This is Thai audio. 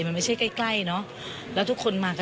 มันไม่ใช่ใกล้เนาะ